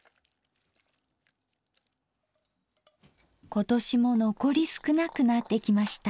今年も残り少なくなってきました。